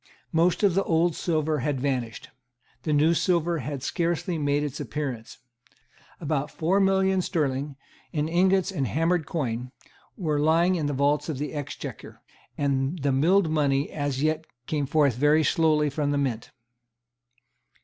Most of the old silver had vanished. The new silver had scarcely made its appearance. About four millions sterling, in ingots and hammered coin, were lying in the vaults of the Exchequer; and the milled money as yet came forth very slowly from the Mint.